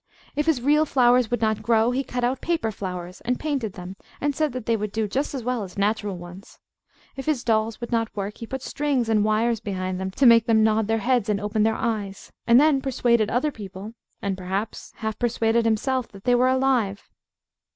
If his real flowers would not grow, he cut out paper flowers, and painted them and said that they would do just as well as natural ones. If his dolls would not work, he put strings and wires behind them to make them nod their heads and open their eyes, and then persuaded other people, and perhaps half persuaded himself, that they were alive.